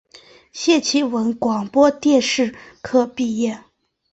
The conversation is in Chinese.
谢其文广播电视科毕业。